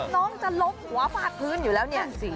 น้องจะล้มหัวฟาดพื้นอยู่แล้วเนี่ย